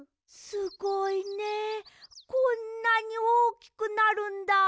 すごいねこんなにおおきくなるんだ。